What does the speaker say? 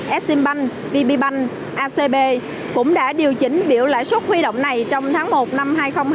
eximbank vb bank acb cũng đã điều chỉnh biểu lãi suất huy động này trong tháng một năm hai nghìn hai mươi hai